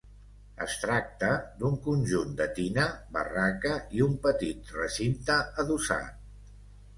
Es tracta d'un conjunt de tina, barraca i un petit recinte adossat.